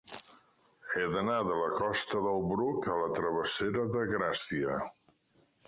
He d'anar de la costa del Bruc a la travessera de Gràcia.